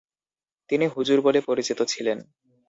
তিনি হুজুর বলে পরিচিত ছিলেন।